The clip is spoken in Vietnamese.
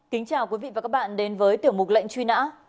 kính chào quý vị và các bạn đến với tiểu mục lệnh truy nã